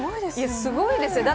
すごいですよね。